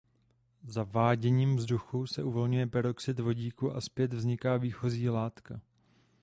Zaváděním vzduchu se uvolňuje peroxid vodíku a zpět vzniká výchozí látka.